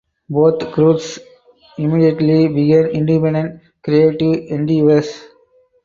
Both groups immediately began independent creative endeavors.